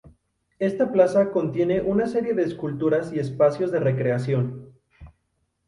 Esta plaza contiene una serie de esculturas y espacios de recreación.